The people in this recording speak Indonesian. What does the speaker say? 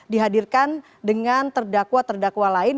dihadirkan dengan terdakwa terdakwa lain